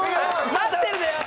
待ってるのよ。